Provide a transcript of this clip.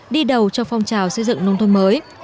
đi đầu cho phong trào xây dựng nông thôn mới